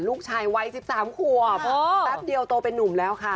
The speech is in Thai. ลูกชายวัย๑๓ขวบแป๊บเดียวโตเป็นนุ่มแล้วค่ะ